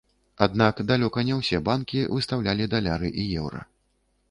Аднак далёка не ўсе банкі выставілі даляры і еўра.